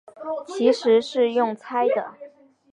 其实是用猜的